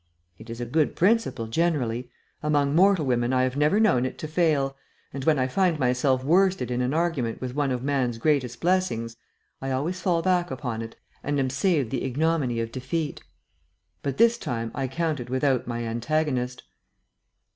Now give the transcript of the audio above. It is a good principle generally. Among mortal women I have never known it to fail, and when I find myself worsted in an argument with one of man's greatest blessings, I always fall back upon it and am saved the ignominy of defeat. But this time I counted without my antagonist.